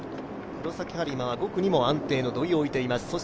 黒崎播磨は５区にも安定の土井を置いています。